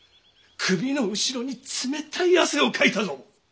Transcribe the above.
首の後ろに冷たい汗をかいたぞ。